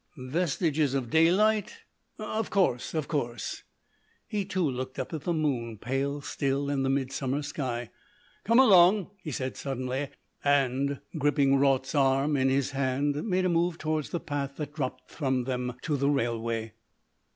"Vestiges of daylight?... Of course, of course." He too looked up at the moon, pale still in the midsummer sky. "Come along," he said suddenly, and, gripping Raut's arm in his hand, made a move towards the path that dropped from them to the railway.